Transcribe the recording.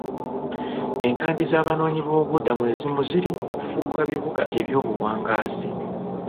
Enkambi z'Abanoonyi boobubudamu ezimu ziri mu kufuuka bibuga eby'obuwangaazi.